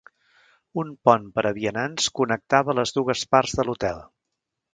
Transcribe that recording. Un pont per a vianants connectava les dues parts de l'hotel.